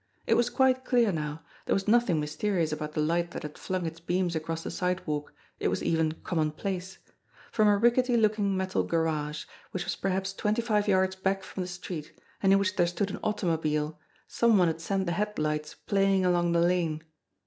It was quite clear now; there was nothing mysterious about the light that had flung its beams across the sidewalk ; it was even commonplace. From a rickety looking metal garage, which was perhaps twenty five yards back from the street and in which there stood an automobile, some one had sent the headlights playing along the lane.